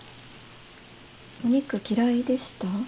お肉嫌いでした？